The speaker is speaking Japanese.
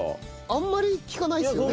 あんまり聞かないですよね